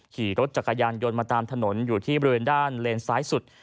ขี่รถจักรยานยนต์มาตามถนนอยู่ที่บริเวณด้านเลนซ้ายสุด